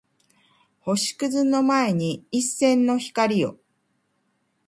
星屑の前に一閃の光を